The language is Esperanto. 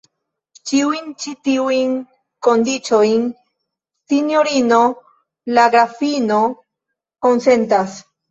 Ĉiujn ĉi tiujn kondiĉojn sinjorino la grafino konsentas.